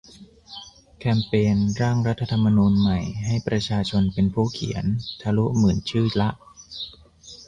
แคมเปญ "ร่างรัฐธรรมนูญใหม่ ให้ประชาชนเป็นผู้เขียน" ทะลุหมื่นชื่อละ